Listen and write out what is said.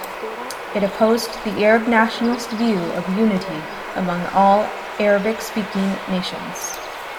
It opposed the Arab nationalist view of unity among all Arabic-speaking nations.